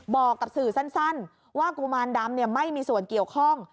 บอกกับสื่อสั้นว่ากุมารดำไม่มีส่วนเกี่ยวข้อง